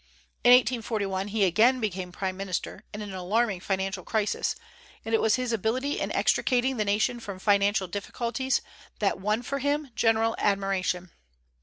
In 1841 he again became prime minister, in an alarming financial crisis; and it was his ability in extricating the nation from financial difficulties that won for him general admiration.